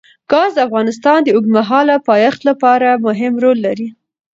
ګاز د افغانستان د اوږدمهاله پایښت لپاره مهم رول لري.